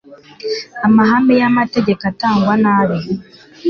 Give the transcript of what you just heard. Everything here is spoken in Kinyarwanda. amahame y'amategeko atangwa nabi.